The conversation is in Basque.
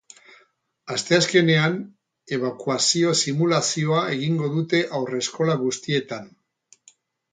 Asteazkenean, ebakuazio-simulazioa egingo dute haurreskola guztietan.